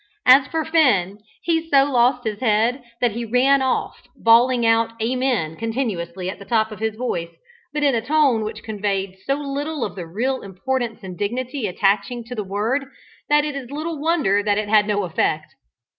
As for Finn, he so lost his head, that he ran off, bawling out "Amen" continuously at the top of his voice, but in a tone which conveyed so little of the real importance and dignity attaching to the word, that it is little wonder that it had no effect.